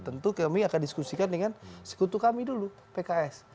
tentu kami akan diskusikan dengan sekutu kami dulu pks